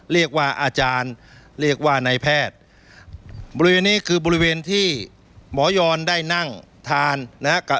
อาจารย์เรียกว่านายแพทย์บริเวณนี้คือบริเวณที่หมอยอนได้นั่งทานนะครับ